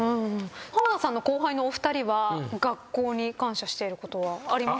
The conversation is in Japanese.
浜田さんの後輩のお二人は学校に感謝していることはありますか？